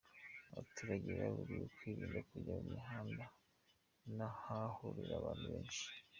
Abaturage baburiwe kwirinda kujya mu mihanda n’ahahurira abantu benshi.